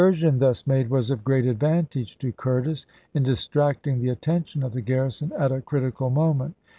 sion thus made was of great advantage to Curtis in distracting the attention of the garrison at a critical moment.